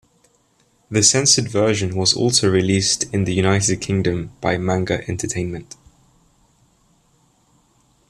The censored version was also released in the United Kingdom by Manga Entertainment.